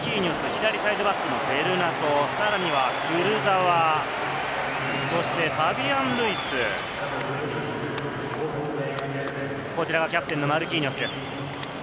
左サイドバックにベルナト、クルザワ、ファビアン・ルイス、こちらキャプテンのマルキーニョスです。